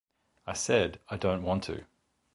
I said, I don't want to.